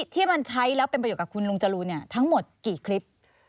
ที่มันใช้แล้วเป็นประโยชนกับคุณลุงจรูนทั้งหมดกี่คลิป